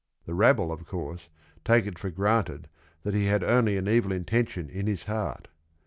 The rabble, of course, take it for granted that he had only an evil intention in his heart.